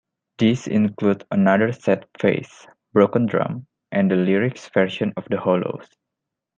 These include "Another Sad Face," "Broken Drum," and the lyrics version of "The Hollows.